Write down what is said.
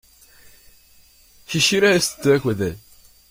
She should have stuck with it.